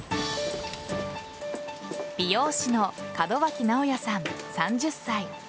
美容師の門脇直也さん３０歳。